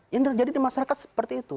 yang terjadi di masyarakat seperti itu